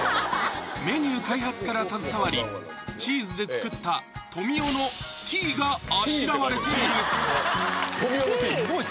メニュー開発から携わりチーズで作った富美男のＴがあしらわれている富美男のＴ！